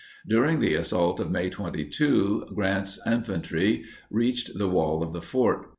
During the assault of May 22, Grant's infantry reached the wall of the fort.